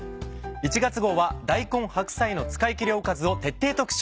１月号は大根・白菜の使いきりおかずを徹底特集。